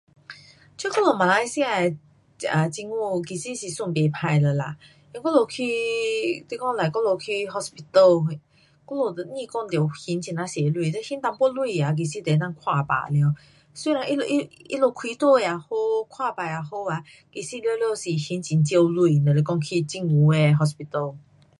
这我们马来西亚的这啊政府，其实是算不错了啦。因为我们去，你讲 like 我们去 hospital 什，我们都不讲得还很多钱。只还一点钱啊，其实就能够看病了。虽然他们他开刀的也好，看病的也好啊，其实全部都还很少钱，若是讲去政府的 hospital.